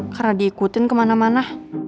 karena diikutin kemana mana